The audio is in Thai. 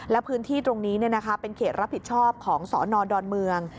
และพื้นที่ตรงนี้เป็นเขตรับผิดชอบของสนดอนเมือง